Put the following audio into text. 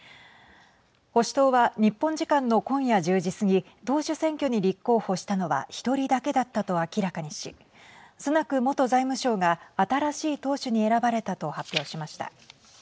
保守党は日本時間の今夜１０時過ぎ党首選挙に立候補したのは１人だけだったと明らかにしスナク元財務相が新しい党首に選ばれたと発表しました。